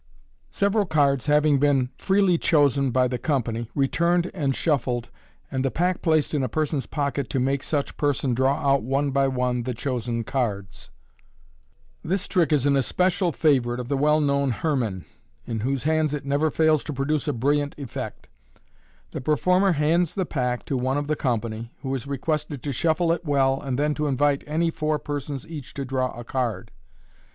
Several Cards hating been freely chosen bt the Com pany, Returned and Shuffled, and the Pack placed in a Person's Pocket, to make such Person draw out one by one thb chosen Cards. — This trick is an especial favourite of the well known Herrmann, in whose hands it never fails to produce a brilliant effect. The performer hands the pack to one of the company, who is requested to shuffle it well, and then to invite any four persons each to draw a card.